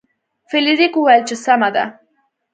فلیریک وویل چې سمه ده.